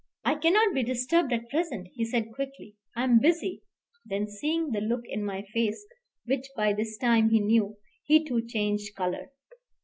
"I cannot be disturbed at present," he said quickly; "I am busy." Then seeing the look in my face, which by this time he knew, he too changed color.